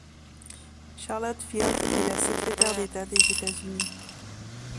Charlotte Field est la Secrétaire d'État des États-Unis.